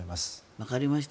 わかりました。